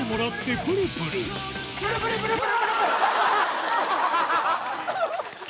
プルプルプルプル！